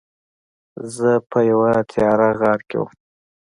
زه په یوه تیاره غار کې وم.